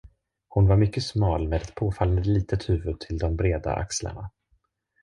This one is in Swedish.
Hon var mycket smal med ett påfallande litet huvud till de breda axlarna.